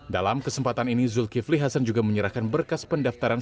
dalam kesempatan ini sulki flihasan juga menyerahkan berkas pendaftaran